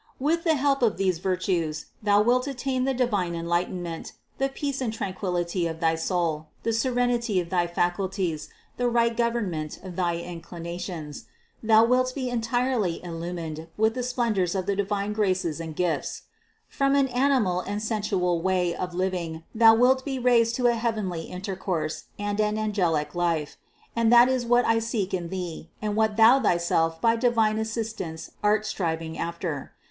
With the help of these virtues, thou wilt attain the divine enlight enment, the peace and tranquillity of thy soul, the serenity of thy faculties, the right government of thy inclinations ; THE CONCEPTION 461 thou wilt be entirely illumined with the splendors of the divine graces and gifts; from an animal and sensual way of living thou wilt be raised to a heavenly intercourse and an angelic life ; and that is what I seek in thee and what thou thyself by divine assistance art striving after.